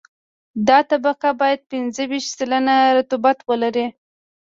دا طبقه باید پنځه ویشت سلنه رطوبت ولري